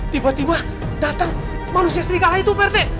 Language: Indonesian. tiba tiba datang manusia serigala itu pak rt